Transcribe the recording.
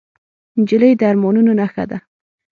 نجلۍ د ارمانونو نښه ده.